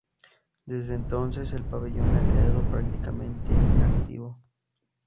Desde entonces, el pabellón ha quedado prácticamente inactivo.